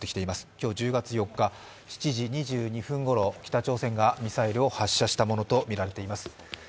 今日１０月４日７時２２分ごろ北朝鮮がミサイルを発射したものとみられています。